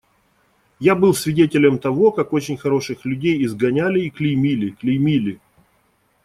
Я был свидетелем того, как очень хороших людей изгоняли и клеймили, клеймили.